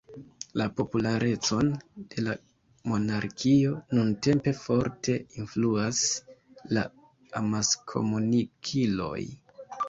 La popularecon de la monarkio nuntempe forte influas la amaskomunikiloj.